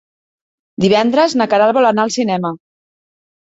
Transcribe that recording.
Divendres na Queralt vol anar al cinema.